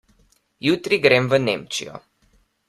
Jutri grem v Nemčijo.